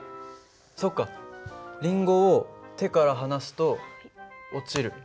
そっかりんごを手から離すと落ちる。